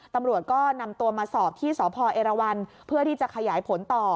ตำรวจก็นำตัวมาสอบที่สพเอราวันเพื่อที่จะขยายผลต่อ